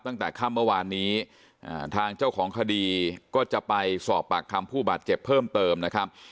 ตั้งแต่ค่ำเมื่อวานนี้ทางเจ้าของคดีก็จะไปสอบปากคำผู้บาดเจ็บเพิ่มเติมนะครับ